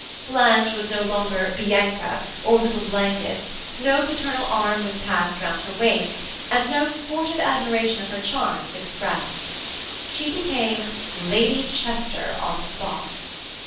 Blanche was no longer Bianca, or little Blanket, no paternal arm was passed round her waist, and no sportive admiration of her charms expressed. She became Lady Chester on the spot.